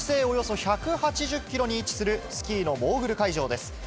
およそ１８０キロに位置するスキーのモーグル会場です。